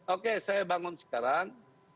oke saya bangun sekarang